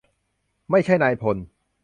ไม่ใช่นายพล